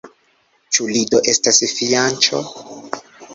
Ĉu li do estas fianĉo?